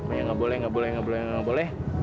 oh ya gak boleh gak boleh gak boleh gak boleh